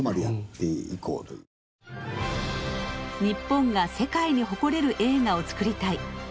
日本が世界に誇れる映画を作りたい。